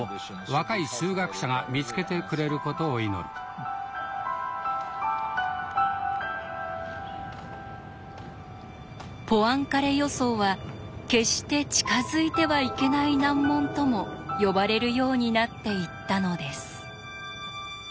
タイトルはポアンカレ予想は「決して近づいてはいけない難問」とも呼ばれるようになっていったのです。